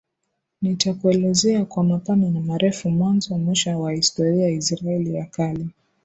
Nitakuelezea kwa mapana na marefu mwanzo mwisho wa historia ya Israeli ya Kale